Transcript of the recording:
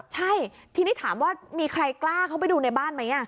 ใช่ทีนี้ถามว่ามีใครกล้าเข้าไปดูในบ้านไหม